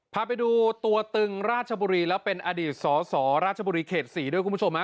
พาไปดูตัวตึงราชบุรีแล้วเป็นอดีตสสราชบุรีเขต๔ด้วยคุณผู้ชมฮะ